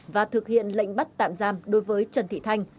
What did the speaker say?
và thực hiện lệnh bắt tạm giam đối với trần thị thanh